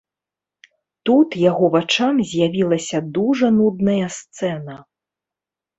Тут яго вачам з'явілася дужа нудная сцэна.